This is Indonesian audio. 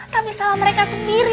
tapi salah mereka sendiri